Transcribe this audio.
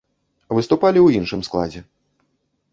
Выступалі ў іншым складзе.